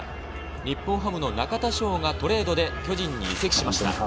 日本ハムの中田翔がトレードで巨人に移籍しました。